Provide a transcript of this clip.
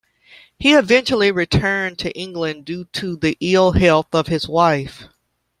He eventually returned to England due to the ill health of his wife.